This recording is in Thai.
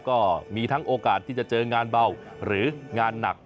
ก็มีทั้งโอกาสที่จะเจองานเบาหรืองานหนัก